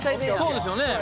そうですよね